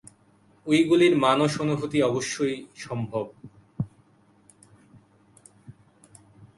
ঐগুলির মানস অনুভূতি অবশ্যই সম্ভব।